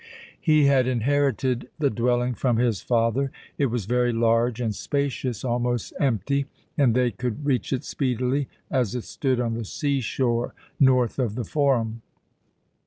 He had inherited the dwelling from his father. It was very large and spacious, almost empty, and they could reach it speedily, as it stood on the seashore, north of the Forum.